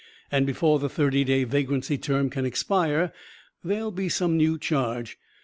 And before the thirty day vagrancy term can expire there will be some new charge.